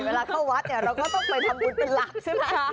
เวลาเข้าวัดเนี่ยเราก็ต้องไปทำบุญเป็นหลักใช่ไหมคะ